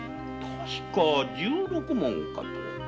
確か十六文かと。